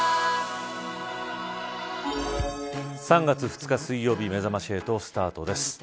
３月２日、水曜日めざまし８スタートです。